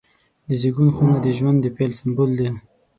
د زیږون خونه د ژوند د پیل سمبول دی.